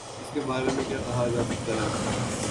اس کے بارے میں کیا کہا جا سکتا ہے۔